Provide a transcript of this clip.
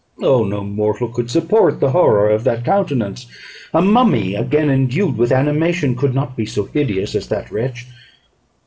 Oh! no mortal could support the horror of that countenance. A mummy again endued with animation could not be so hideous as that wretch.